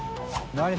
何？